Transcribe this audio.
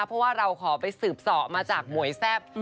เพราะว่าเราขอไปสืบสอมาจากหมวยแซ่บ